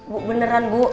bu beneran bu